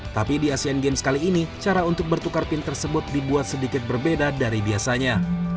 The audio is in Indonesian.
tapi di asean games kali ini cara untuk bertukar pin tersebut dibuat sedikit berbeda dari biasanya